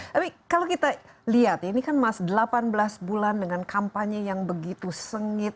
tapi kalau kita lihat ini kan mas delapan belas bulan dengan kampanye yang begitu sengit